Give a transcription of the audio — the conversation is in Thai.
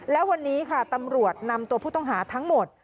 และวันนี้ค่ะตำรวจนำตัวผู้ต้องหาทั้งหมด